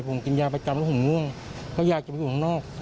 ผมกินยาประจำแล้วผมง่วงเขาอยากจะไปอยู่ข้างนอก